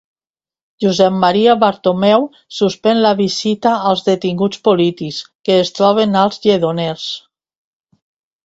Josep Maria Bartomeu suspèn la visita als detinguts polítics que es troben als Lledoners